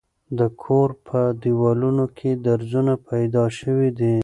د کور په دېوالونو کې درځونه پیدا شوي دي.